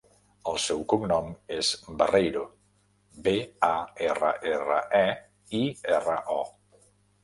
El seu cognom és Barreiro: be, a, erra, erra, e, i, erra, o.